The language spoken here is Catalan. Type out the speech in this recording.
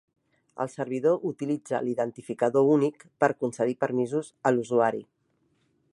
El servidor utilitza l'identificador únic per concedir permisos a l'usuari.